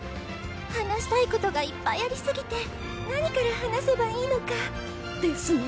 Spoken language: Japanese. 話したいことがいっぱいありすぎて何から話せばいいのか。ですね。